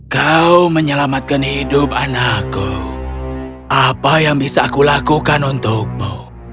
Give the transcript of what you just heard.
kau menyelamatkan hidup anakku apa yang bisa aku lakukan untukmu